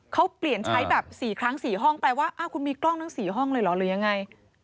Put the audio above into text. เขาเปลี่ยนใช้แบบ๔ครั้ง๔ห้องแปลว่าคุณมีกล้องทั้ง๔ห้องเลยเหรอหรือยังไง